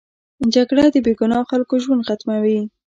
جګړه د بې ګناه خلکو ژوند ختموي